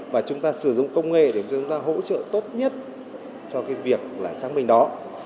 và chúng ta sử dụng công nghệ để chúng ta hỗ trợ tốt nhất cho cái việc là xác minh đó